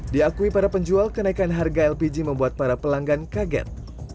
diakui para penjual kenaikan harga lpg membuat para pelanggan kaget